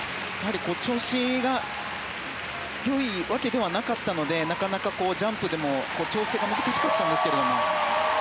調子が良いわけではなかったのでなかなかジャンプでも調整が難しかったんですけど。